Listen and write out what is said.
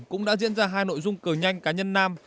cũng đã diễn ra hai nội dung cờ nhanh cá nhân nam